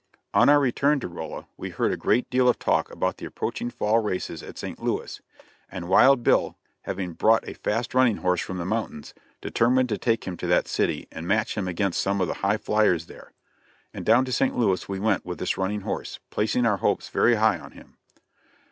On our return to Rolla we heard a great deal of talk about the approaching fall races at St. Louis, and Wild Bill having brought a fast running horse from the mountains, determined to take him to that city and match him against some of the high flyers there; and down to St. Louis we went with this running horse, placing our hopes very high on him.